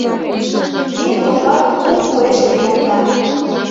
Ме, товат, кум куэште йомна.